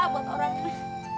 buat orang ini